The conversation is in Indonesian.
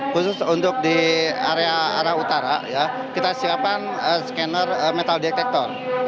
khusus untuk di area arah utara kita siapkan scanner metal detector